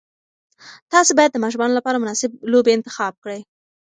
تاسي باید د ماشومانو لپاره مناسب لوبې انتخاب کړئ.